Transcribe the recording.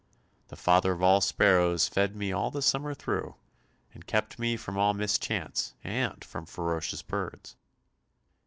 The Father of all sparrows fed me all the summer through, and kept me from all mischance and from ferocious birds."